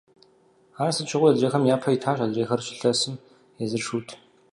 Ар сыт щыгъуи адрейхэм япэ итащ, адрейхэр «щылъэсым», езыр «шут».